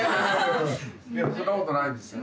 そんなことないですよ